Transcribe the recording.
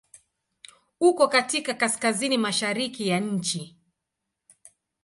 Uko katika Kaskazini mashariki ya nchi.